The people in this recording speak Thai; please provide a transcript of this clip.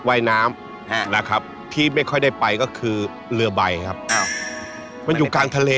ว่ายน้ำนะครับที่ไม่ค่อยได้ไปก็คือเรือใบครับมันอยู่กลางทะเล